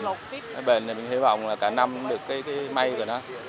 nó bền thì mình hy vọng là cả năm cũng được cái mây của nó